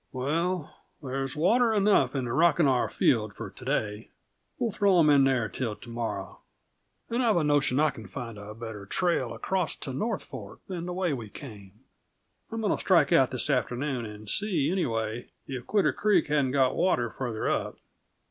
"Well, there's water enough in the Rocking R field for to day; we'll throw 'em in there till tomorrow. And I've a notion I can find a better trail across to North Fork than the way we came. I'm going to strike out this afternoon and see, anyway, if Quitter Creek hasn't got water farther up.